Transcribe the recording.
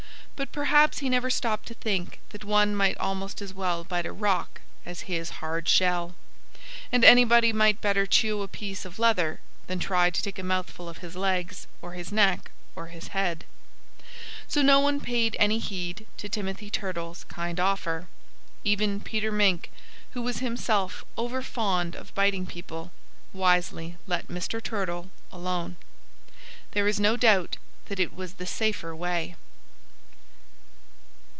But perhaps he never stopped to think that one might almost as well bite a rock as his hard shell. And anybody might better chew a piece of leather than try to take a mouthful out of his legs, or his neck, or his head. So no one paid any heed to Timothy Turtle's kind offer. Even Peter Mink, who was himself overfond of biting people, wisely let Mr. Turtle alone. There is no doubt that it was the safer way.